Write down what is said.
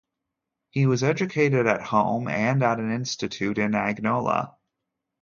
He was educated at home and at an institute in Angola.